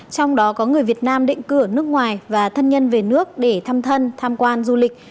trong đó có người việt nam định cư ở nước ngoài và thân nhân về nước để thăm thân tham quan du lịch